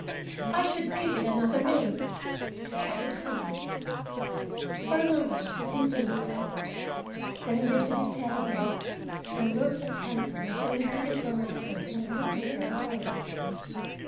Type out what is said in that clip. "I should give it another name," I added coldly. For a moment he seemed to lose heart, then he lifted his head again, and looked as handsome as when he pleaded for my hand in the little conservatory.